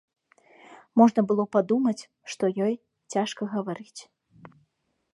Можна было падумаць, што ёй цяжка гаварыць.